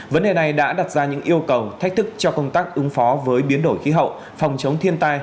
vấn đề này đã đặt ra những yêu cầu thách thức cho công tác ứng phó với biến đổi khí hậu phòng chống thiên tai